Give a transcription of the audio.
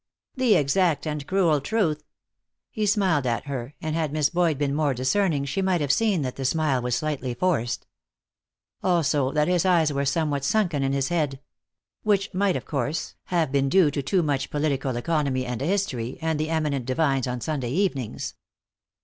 "The exact and cruel truth." He smiled at her, and had Miss Boyd been more discerning she might have seen that the smile was slightly forced. Also that his eyes were somewhat sunken in his head. Which might, of course, have been due to too much political economy and history, and the eminent divines on Sunday evenings.